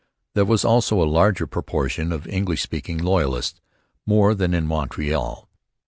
There was also a larger proportion of English speaking loyalists here than in Montreal.